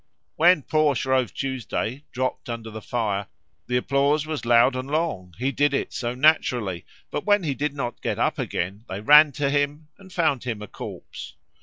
When poor Shrove Tuesday dropped under the fire, the applause was loud and long, he did it so naturally; but when he did not get up again, they ran to him and found him a corpse.